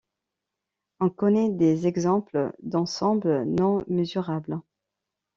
On connaît des exemples d'ensembles non mesurables.